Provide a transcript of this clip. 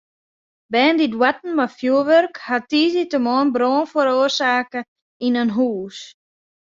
Bern dy't boarten mei fjurwurk hawwe tiisdeitemoarn brân feroarsake yn in hús.